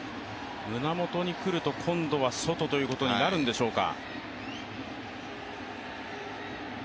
胸元に来ると、今度は外ということになるんでしょうか。